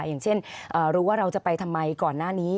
อย่างเช่นรู้ว่าเราจะไปทำไมก่อนหน้านี้